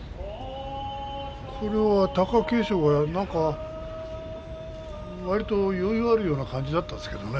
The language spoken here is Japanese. これは貴景勝がなんかわりと余裕があるような感じだったんですけどね